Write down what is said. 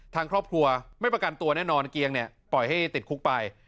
ทางครอบครัวไม่ประกันตัวแน่นอนเกียงเนี่ยปล่อยให้ติดคุกไป